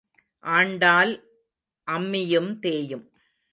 ஆண்டால் அம்மியும் தேயும்.